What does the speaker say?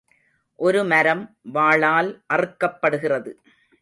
ஒரு மரம் வாளால் அறுக்கப்படுகிறது.